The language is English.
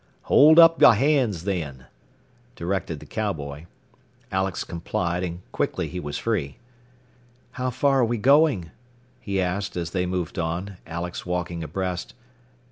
"Hold up your hands, then," directed the cowboy. Alex complied, and quickly he was free. "How far are we going?" he asked as they moved on, Alex walking abreast.